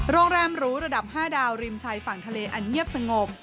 โรงแรมหรูระดับ๕ดาวริมชายฝั่งทะเลอันเงียบสงบ